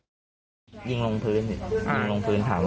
พอไปถามว่าไม่มีใครรู้จักคนที่ตัวเองต้องการเนี่ยยิงลงพื้นสามครั้ง